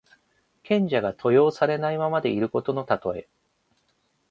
賢者が登用されないままでいることのたとえ。